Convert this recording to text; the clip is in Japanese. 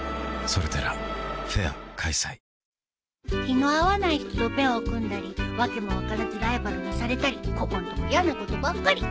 気の合わない人とペアを組んだり訳も分からずライバルにされたりここんとこやなことばっかり。